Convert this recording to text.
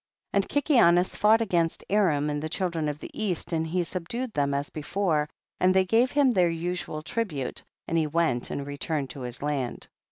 1 1 . And Kikianus fought against Aram and the children of the east and he subdued them as before, and they gave him their usual tribute, and he went and returned to his land, 12.